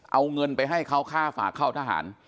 เอาเงินไปให้เขาค่าฝากเข้าทหาร